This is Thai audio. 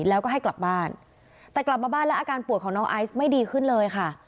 แล้วก็ให้กลับบ้านแต่กลับมาบ้านแล้วอาการป่วยของน้องไอซ์ไม่ดีขึ้นเลยค่ะ